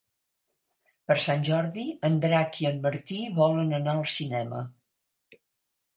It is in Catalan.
Per Sant Jordi en Drac i en Martí volen anar al cinema.